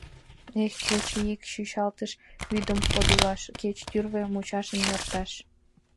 Эх, кеч ик чӱчалтыш вӱдым подылаш, кеч тӱрвӧ мучашым нӧрташ!..